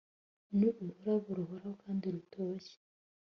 Ni ururabo ruhoraho kandi rutoshye